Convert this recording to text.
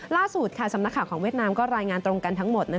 ล่าสุดสำนักข่าวของเวียดนามก็รายงานตรงกันทั้งหมด